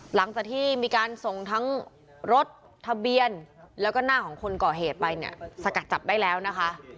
หลังจากที่มีการส่งทั้งรถทะเบียนแล้วก็หน้าของคนก่อเหตุไปเนี่ยสกัดจับได้แล้วนะคะ